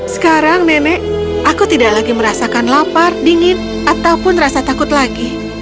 sekarang nenek aku tidak lagi merasakan lapar dingin ataupun rasa takut lagi